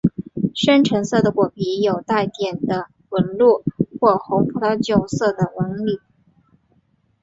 深橙色的果皮有带点的纹路或红葡萄酒色的纹理。